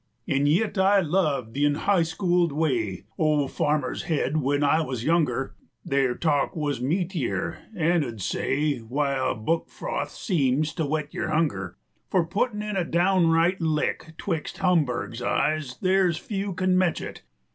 An' yit I love th' unhighschooled way 25 Ol' farmers hed when I wuz younger; Their talk wuz meatier, an' 'ould stay, While book froth seems to whet your hunger; For puttin' in a downright lick 'Twixt Humbug's eyes, ther' 's few can metch it.